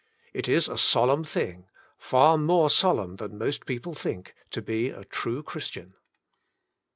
It is a solemn thing, far more solemn than most people think, to be a true Christian.